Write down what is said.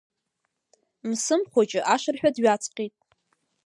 Мсым Хәыҷы ашырҳәа дҩаҵҟьеит.